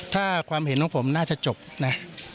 ถ้าความเห็นของผมน่าจะจบนะ